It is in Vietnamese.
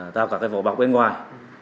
theo các cái vỏ bọc bên ngoài